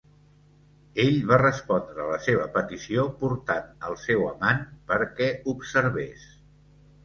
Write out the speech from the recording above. Ell va respondre la seva petició portant el seu amant perquè observés.